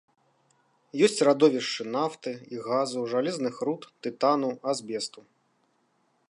Ёсць радовішчы нафты і газу, жалезных руд, тытану, азбесту.